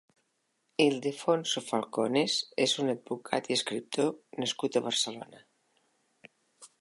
Ildefonso Falcones és un advocat i escriptor nascut a Barcelona.